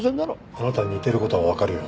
あなたに似ている事はわかるよ。